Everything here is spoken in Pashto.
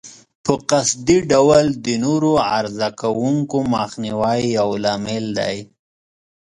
په قصدي ډول د نورو عرضه کوونکو مخنیوی یو لامل دی.